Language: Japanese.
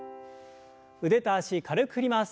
腕と脚軽く振ります。